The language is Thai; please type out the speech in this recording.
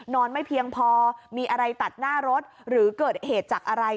ไม่เพียงพอมีอะไรตัดหน้ารถหรือเกิดเหตุจากอะไร